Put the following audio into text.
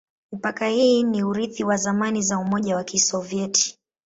Mipaka hii ni urithi wa zamani za Umoja wa Kisovyeti.